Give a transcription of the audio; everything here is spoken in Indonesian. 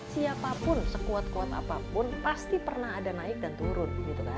siapapun sekuat kuat apapun pasti pernah ada naik dan turun